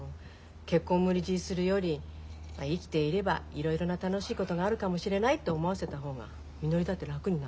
結婚無理強いするより生きていればいろいろな楽しいことがあるかもしれないって思わせた方がみのりだって楽になるでしょ？